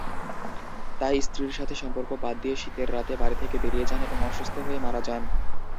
তাই স্ত্রীর সাথে সম্পর্ক বাদ দিয়ে শীতের রাতে বাড়ি থেকে বেরিয়ে যান এবং অসুস্থ হয়ে মারা যান।